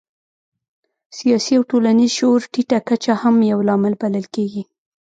سیاسي او ټولنیز شعور ټیټه کچه هم یو لامل بلل کېږي.